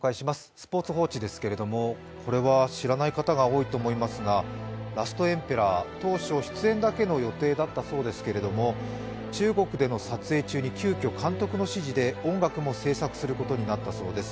「スポーツ報知」ですけれどもこれは知らない方が多いと思いますが、「ラストエンペラー」は当初、出演だけの予定だったそうですけれども、中国での撮影中に急きょ監督の指示で音楽も制作することになったそうです。